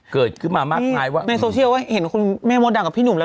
เกิดขึ้นมามากมายว่าในโซเชียลว่าเห็นคุณแม่มดดำกับพี่หนุ่มแล้ว